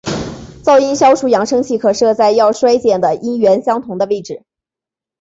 噪音消除扬声器可设在要衰减的声源相同的位置。